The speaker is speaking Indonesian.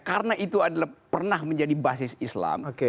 karena itu adalah pernah menjadi basis islam